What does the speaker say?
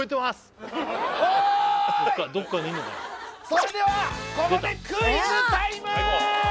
それではここでクイズタイム！